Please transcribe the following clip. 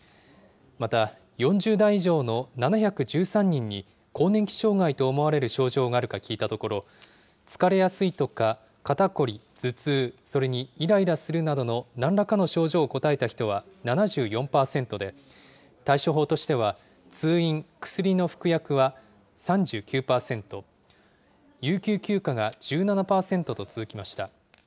また、４０代以上の７１３人に、更年期障害と思われる症状があるか聞いたところ、疲れやすいとか肩こり・頭痛、それにいらいらするなどのなんらかの症状を答えた人は７４％で、対処法としては、通院・薬の服用は３９％、有給休暇が１７％と続きました。